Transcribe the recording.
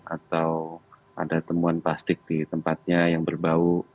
atau ada temuan plastik di tempatnya yang berbau